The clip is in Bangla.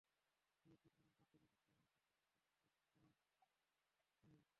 ঈদের দিন কোন পোশাকটি পরবেন, কীভাবে সাজবেন, সেটা আগেই ঠিক করে নিন।